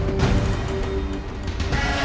kita harus berhenti